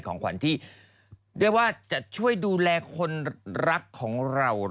ของขวัญที่จะช่วยดูแลคนรักของเรา